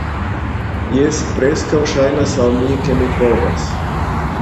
Jes, preskaŭ ŝajnas al mi, ke mi povas!